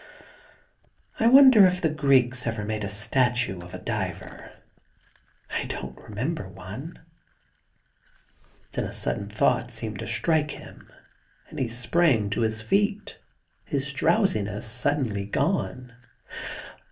... I wonder if the Greeks ever made a statue of a diver? I don't remember one.' 82 THE GARDEN GOD Then a sudden thought seemed to strike him and he sprang to his feet, his drowsiness suddenly gone.